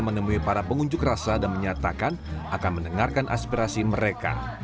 menemui para pengunjuk rasa dan menyatakan akan mendengarkan aspirasi mereka